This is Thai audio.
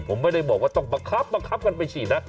ผมไม่ได้บอกว่าต้องบังคับบังคับกันไปฉีดนะ